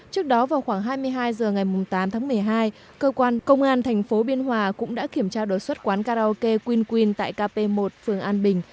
trước đó vào khoảng hai mươi hai h ngày tám tháng một mươi hai cơ quan công an thành phố biên hòa cũng đã kiểm tra đột xuất quán karaoke quyên quyên tại kp một phường an bình